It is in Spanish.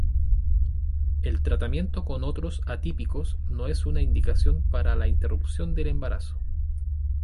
El tratamiento con otros atípicos no es una indicación para la interrupción del embarazo.